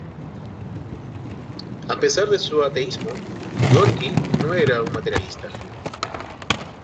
A pesar de su ateísmo, Gorki no era un materialista.